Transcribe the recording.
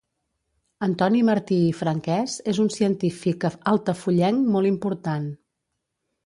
Antoni Martí i Franquès és un científic altafullenc molt important.